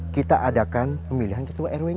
ketika minggu depan